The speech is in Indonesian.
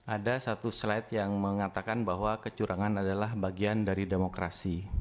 ada satu slide yang mengatakan bahwa kecurangan adalah bagian dari demokrasi